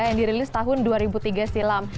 yang dirilis tahun dua ribu tiga silam